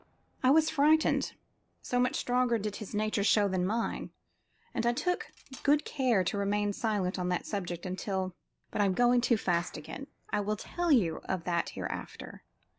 I was frightened, so much stronger did his nature show than mine, and I took good care to remain silent on that subject until but I am going too fast again; I will tell you of that hereafter.